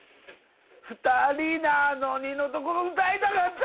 「２人なのに」のとこが歌いたかった！